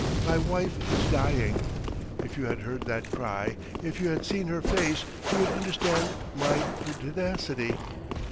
My wife is dying. If you had heard that cry, if you had seen her face, you would understand my pertinacity.